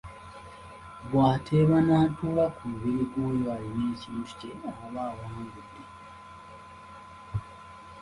Bw’ateeba n’atuula ku mubiri gw’oyo alina ekintu kye aba awangudde.